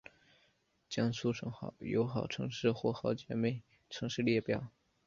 江苏省友好城市或姐妹城市列表